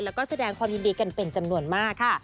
แล้วก็แสดงความยินดีกันเป็นจำนวนมากค่ะ